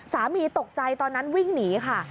สามีตกใจตอนนั้นวิ่งหนีค่ะ